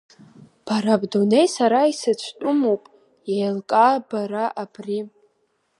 Бара бдунеи сара исыцәтәымуп, еилкаа бара абри!